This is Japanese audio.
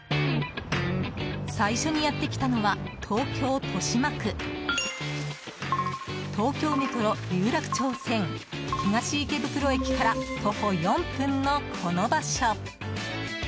最初にやってきたのは東京・豊島区東京メトロ有楽町線東池袋駅から徒歩４分のこの場所。